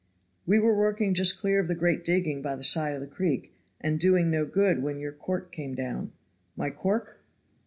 "We were working just clear of the great digging by the side of the creek, and doing no good, when your cork came down." "My cork?"